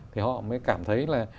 thì họ mới cảm thấy là